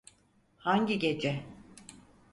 Hangi gece?